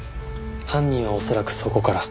犯人は恐らくそこから。